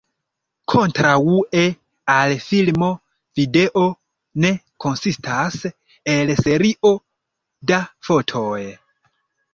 Kontraŭe al filmo video ne konsistas el serio da fotoj.